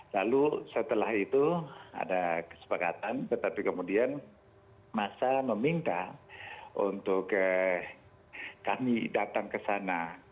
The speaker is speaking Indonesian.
lalu setelah itu ada kesepakatan tetapi kemudian masa meminta untuk kami datang ke sana